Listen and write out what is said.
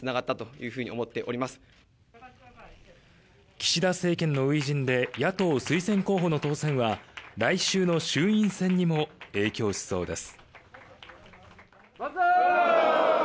岸田政権の初陣で野党推薦候補の当選は来週の衆院選にも影響しそうです。